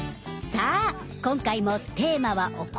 さあ今回もテーマはお米です。